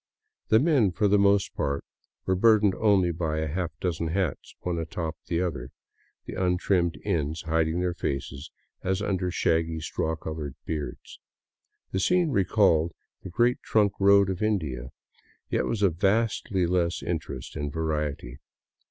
The men, for the most part, were bur dened only by a half dozen hats, one atop the other, the untrimmed ends hiding their faces as under shaggy straw colored beards. The scene recalled the Great Trunk Road of India, yet was of vastly less interest and variety.